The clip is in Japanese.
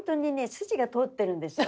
筋が通ってるんですよ。